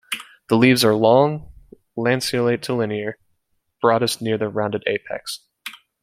The leaves are long, lanceolate to linear, broadest near the rounded apex.